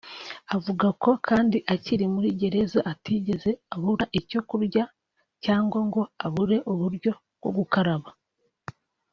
Avuga ko kandi akiri muri gereza atigeze abura icyo kurya cyangwa ngo abure uburyo bwo gukaraba